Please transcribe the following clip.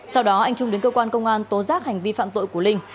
sau đó anh trung đến cơ quan công an tố giác hành vi phạm tội của linh